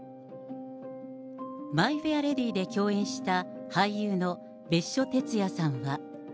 マイ・フェア・レディで共演した俳優の別所哲也さんは。